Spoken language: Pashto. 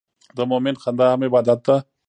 د مؤمن خندا هم عبادت ده.